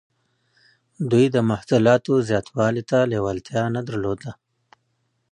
دوی د محصولاتو زیاتوالي ته لیوالتیا نه درلوده.